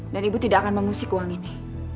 dan ibu tidak akan mengusik uang ini